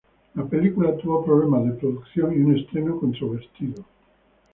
La película tuvo problemas de producción y un estreno controversial.